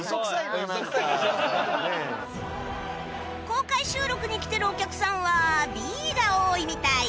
公開収録に来てるお客さんは Ｂ が多いみたい